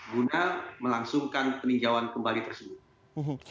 guna melangsungkan peninjauan kembali tersebut